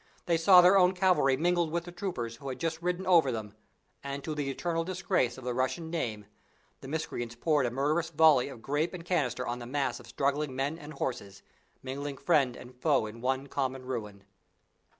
They saw their own cavalry mingled with the troopers who had just ridden over them, and, to the eternal disgrace of the Russian name, the miscreants poured a murderous volley of grape and canister on the mass of struggling men and horses, mingling friend and foe in one common ruin!